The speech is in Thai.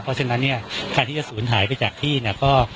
เพราะฉะนั้นเนี่ยการที่จะศูนย์หายไปจากที่เนี่ยก็